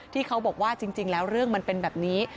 ที่เขาบอกว่าจริงแล้วเรื่องมันเป็นแบบนี้